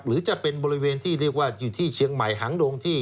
หรือจะเป็นบริเวณที่เรียกว่าอยู่ที่เชียงใหม่หางดงที่